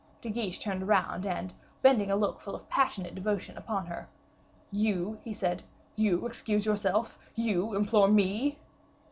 De Guiche turned around, bending a look full of passionate devotion upon her. "You," he said; "you excuse yourself; you implore me?"